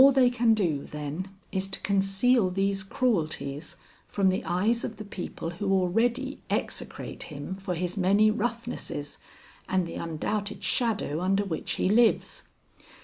All they can do, then, is to conceal these cruelties from the eyes of the people who already execrate him for his many roughnesses and the undoubted shadow under which he lives.